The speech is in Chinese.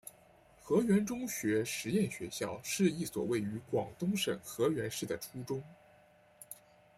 河源中学实验学校是一所位于广东省河源市的初中。